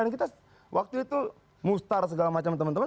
dan kita waktu itu mustar segala macam teman teman